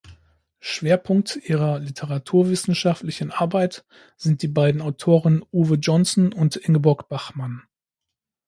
Schwerpunkt ihrer literaturwissenschaftlichen Arbeit sind die beiden Autoren Uwe Johnson und Ingeborg Bachmann.